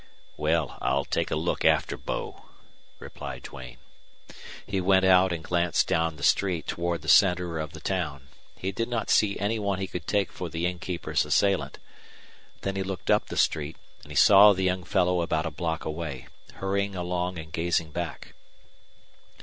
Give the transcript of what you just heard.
"Well, I'll take a look after Bo," replied Duane. He went out and glanced down the street toward the center of the town. He did not see any one he could take for the innkeeper's assailant. Then he looked up the street, and he saw the young fellow about a block away, hurrying along and gazing back.